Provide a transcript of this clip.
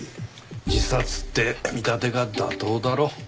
自殺って見立てが妥当だろう。